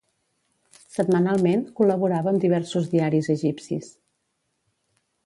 Setmanalment, col·laborava amb diversos diaris egipcis.